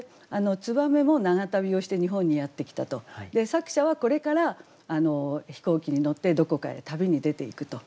燕も長旅をして日本にやって来たと。作者はこれから飛行機に乗ってどこかへ旅に出ていくと。